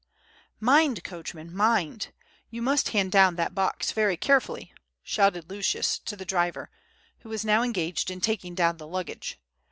"MIND, coachman, mind! You must hand down that box very carefully!" shouted out Lucius to the driver, who was now engaged in taking down the luggage.